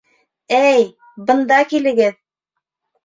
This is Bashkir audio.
— Эй, бында килегеҙ!